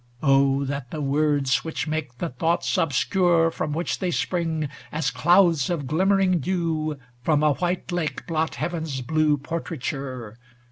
Oh, that the words which make the thoughts obscure From which they spring, as clouds of glimmering dew From a white lake blot heaven's blue portraiture.